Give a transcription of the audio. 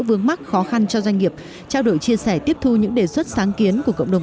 vướng mắc khó khăn cho doanh nghiệp trao đổi chia sẻ tiếp thu những đề xuất sáng kiến của cộng đồng